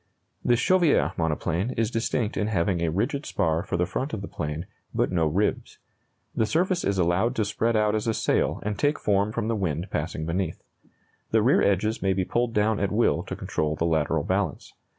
The Chauviere monoplane is distinct in having a rigid spar for the front of the plane, but no ribs. The surface is allowed to spread out as a sail and take form from the wind passing beneath. The rear edges may be pulled down at will to control the lateral balance.